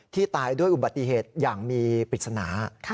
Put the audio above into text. ตายด้วยอุบัติเหตุอย่างมีปริศนา